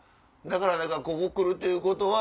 だから何かここ来るということは。